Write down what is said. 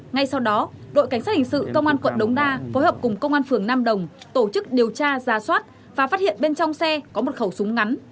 ngay sau đó đội cảnh sát hình sự công an quận đống đa phối hợp cùng công an phường nam đồng tổ chức điều tra ra soát và phát hiện bên trong xe có một khẩu súng ngắn